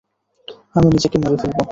আমি নিজেকে মেরে ফেলব।